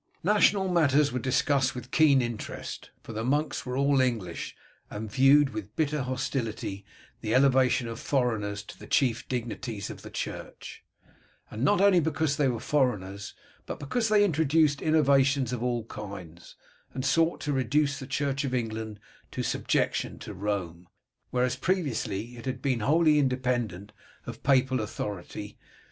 National matters were discussed with keen interest, for the monks were all English, and viewed with bitter hostility the elevation of foreigners to the chief dignities of the church, not only because they were foreigners, but because they introduced innovations of all kinds, and sought to reduce the Church of England to subjection to Rome, whereas previously it had been wholly independent of Papal authority.